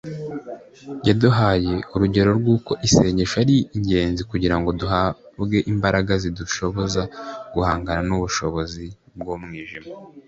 yaduhaye urugero rw'uko isengesho ari ingenzi kugira ngo duhabwe imbaraga zidushoboza guhangana n'ubushobozi bw'umwijima